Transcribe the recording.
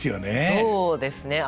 そうですね。